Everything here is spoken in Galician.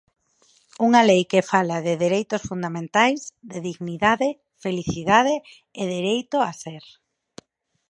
Unha lei que fala de dereitos fundamentais, de dignidade, felicidade e dereito a ser.